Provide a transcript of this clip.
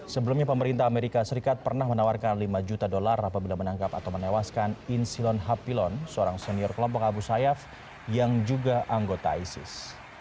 sebelumnya pemerintah amerika serikat pernah menawarkan lima juta dolar apabila menangkap atau menewaskan insilon hapilon seorang senior kelompok abu sayyaf yang juga anggota isis